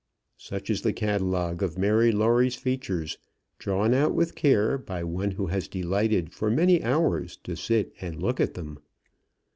Such is the catalogue of Mary Lawrie's features, drawn out with care by one who has delighted for many hours to sit and look at them.